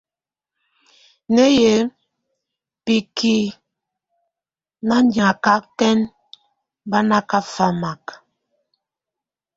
Newek, bikie nányakɛn bá nakafamak.